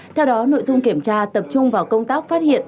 theo đó nội dung kiểm tra tập trung vào công tác phát hiện